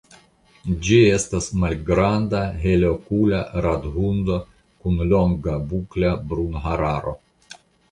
Ĝi estas malgranda, helokula rathundo kun longa bukla brunhararo.